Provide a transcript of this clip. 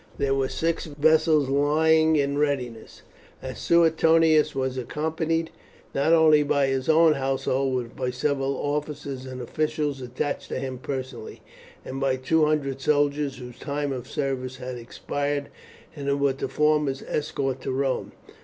There were six vessels lying in readiness, as Suetonius was accompanied not only by his own household, but by several officers and officials attached to him personally, and by two hundred soldiers whose time of service had expired, and who were to form his escort to Rome.